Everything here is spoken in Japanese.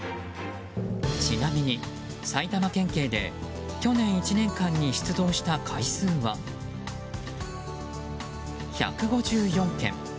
ちなみに、埼玉県警で去年１年間に出動した回数は１５４件。